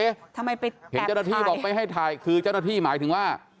เจ้าหน้าที่บอกไปให้ถ่ายคือเจ้าหน้าที่หมายถึงว่า